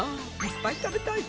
いっぱい食べたい。